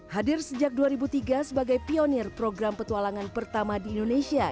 hadir sejak dua ribu tiga sebagai pionir program petualangan pertama di indonesia